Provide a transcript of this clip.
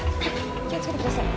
気を付けてください。